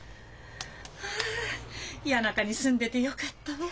谷中に住んでてよかったわ。